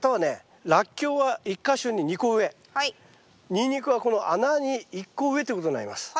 ニンニクはこの穴に１個植えということになります。